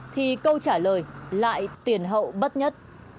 thì câu trả lời lại tiền hậu bất nhất